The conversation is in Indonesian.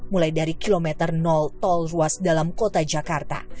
mulai dari kilometer tol ruas dalam kota jakarta